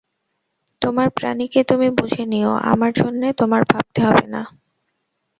তোমার প্রাণীকে তুমি বুঝে নিয়ো, আমার জন্যে তোমার ভাবতে হবে না।